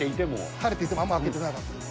晴れていても、あんまり開けてなかったです。